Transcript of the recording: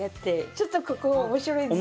ちょっとここ面白いですよ。